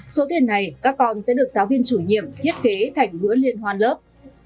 số tiền này các con sẽ được giáo viên chủ nhiệm thiết kế thành hứa liên hoàn lớp